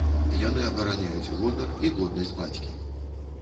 Яны абараняюць гонар і годнасць бацькі.